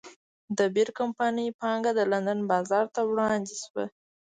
د بیر کمپنۍ پانګه د لندن بازار ته وړاندې شوه.